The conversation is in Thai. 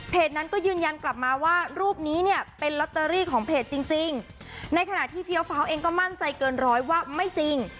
นั้นก็ยืนยันกลับมาว่ารูปนี้เนี่ยเป็นลอตเตอรี่ของเพจจริงจริงในขณะที่เฟี้ยวฟ้าวเองก็มั่นใจเกินร้อยว่าไม่จริง